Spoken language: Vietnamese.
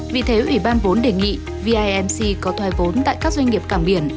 vì thế ủy ban vốn đề nghị vimc có thoai vốn tại các doanh nghiệp cảng biển